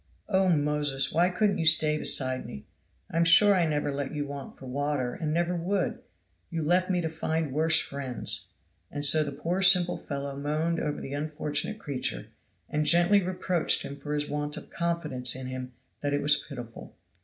Oh, Moses, why couldn't you stay beside me? I'm sure I never let you want for water, and never would you left me to find worse friends!" and so the poor simple fellow moaned over the unfortunate creature, and gently reproached him for his want of confidence in him that it was pitiful.